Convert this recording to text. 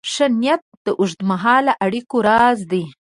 ښه نیت د اوږدمهاله اړیکو راز دی.